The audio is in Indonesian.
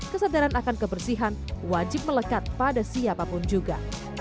kesadaran akan kebersihan wajib melekat pada siapapun juga